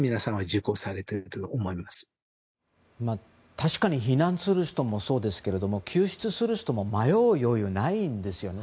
確かに避難する人もそうですけれども救出する人も迷ってる余裕がないんですね。